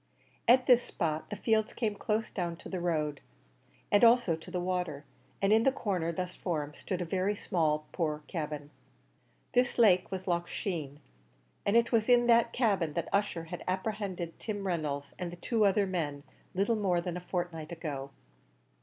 At this spot the fields came close down to the road, and also to the water, and in the corner thus formed stood a very small poor cabin. This lake was Loch Sheen, and it was in that cabin that Ussher had apprehended Tim Reynolds and the two other men, little more than a fortnight ago.